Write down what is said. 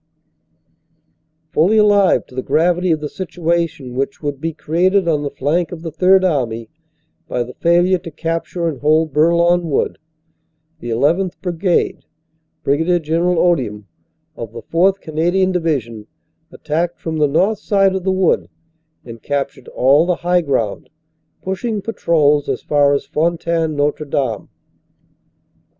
219 220 CANADA S HUNDRED DAYS "Fully alive to the gravity of the situation which would be created on the flank of the Third Army by the failure to cap ture and hold Bourlon Wood, the llth. Brigade (Brig. Gen eral Odium) of the 4th. Canadian Division attacked from the north side of the Wood and captured all the high ground, pushing patrols as far as Fontaine Notre Dame.